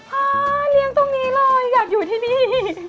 อ่าเลี้ยงตรงนี้เลยอยากอยู่ที่นี่